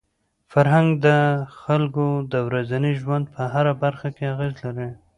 فرهنګ د خلکو د ورځني ژوند په هره برخه کي اغېز لري.